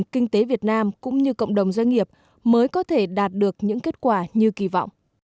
kinh tế việt nam cũng như cộng đồng doanh nghiệp mới có thể đạt được những kết quả như kỳ vọng